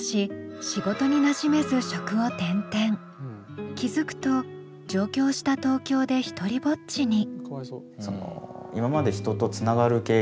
しかし気付くと上京した東京で独りぼっちに。